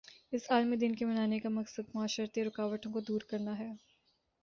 اس عالمی دن کے منانے کا مقصد معاشرتی رکاوٹوں کو دور کرنا ہے